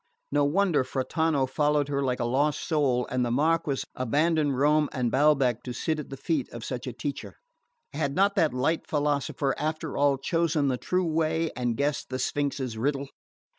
No wonder Frattanto followed her like a lost soul and the Marquess abandoned Rome and Baalbec to sit at the feet of such a teacher! Had not that light philosopher after all chosen the true way and guessed the Sphinx's riddle?